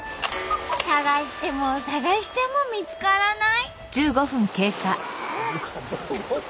探しても探しても見つからない。